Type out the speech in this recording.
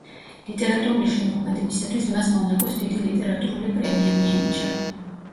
ლიტერატურული შემოქმედებისათვის მას მონაკოს დიდი ლიტერატურული პრემია მიენიჭა.